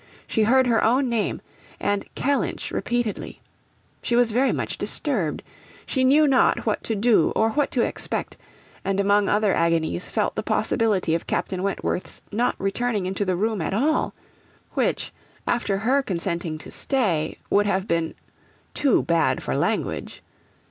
She heard her own name and Kellynch repeatedly. She was very much disturbed. She knew not what to do, or what to expect, and among other agonies felt the possibility of Captain Wentworth's not returning into the room at all, which, after her consenting to stay, would have been too bad for language.